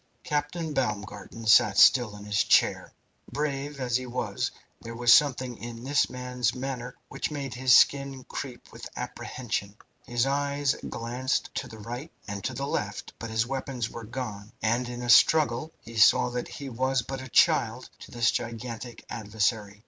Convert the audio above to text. Captain Baumgarten sat still in his chair. Brave as he was, there was something in this man's manner which made his skin creep with apprehension. His eyes glanced to right and to left, but his weapons were gone, and in a struggle he saw that he was but a child to this gigantic adversary.